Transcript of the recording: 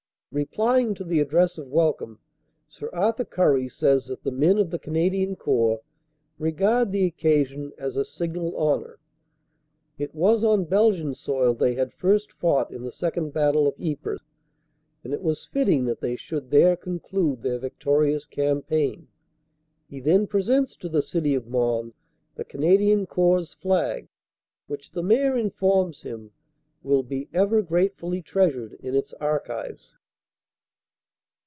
Replying to the address of welcome, Sir Arthur Currie says that the men of the Canadian Corps regard the occasion as a signal honor. It was on Belgian soil they had first fought in the Second Battle of Ypres and it was fitting that they should there conclude their victorious campaign. He then presents to 396 CANADA S HUNDRED DAYS the City of Mons the Canadian Corps Flag, which the Mayor informs him will be ever gratefully treasured in its archives.